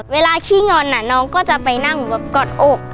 เวลาขี้งอนน้องก็จะไปนั่งกดอก